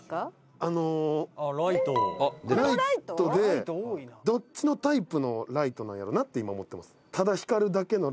「あっライト」「ライトでどっちのタイプのライトなんやろな？って今思ってます」